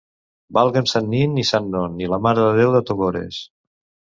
Valga'm sant Nin i sant Non i la Mare de Déu de Togores!